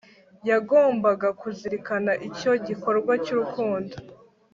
yagombaga kuzirikana icyo gikorwa cy'urukundo